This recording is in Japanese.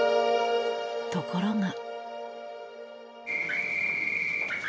ところが。